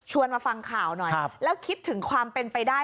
มาฟังข่าวหน่อยแล้วคิดถึงความเป็นไปได้